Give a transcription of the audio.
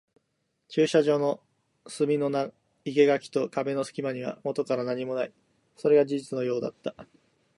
駐車場の隅の生垣と壁の隙間にはもとから何もない。それが事実のようだった。